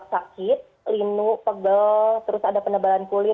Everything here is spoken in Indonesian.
sakit linu pegel terus ada penebalan kulit